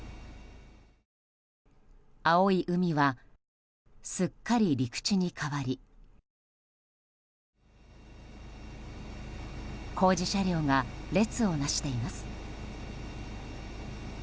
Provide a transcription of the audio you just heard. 青い海はすっかり陸地に変わり工事車両が列をなしています。